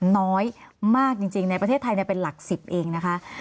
น้อยมากจริงในประเทศไทยเป็นหลัก๑๐เองนะคะ